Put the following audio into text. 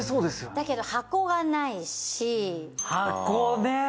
「だけど箱がないし」「箱ね」